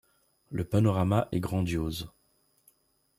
Le panorama est grandiose.